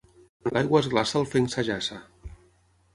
On l'aigua es glaça el fenc s'ajaça.